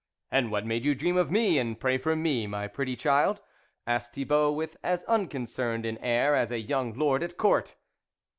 " And what made you dream of me and pray for me, my pretty child ?" asked Thibault with as unconcerned an air as a young lord at Court.